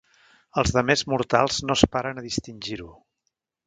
Els demés mortals no es paren a distingir-ho.